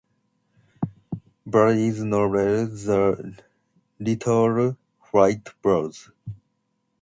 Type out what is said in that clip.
Barrie's novel "The Little White Bird".